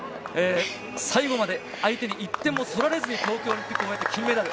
最後まで相手に１点も取られずに東京オリンピックを終えて金メダル。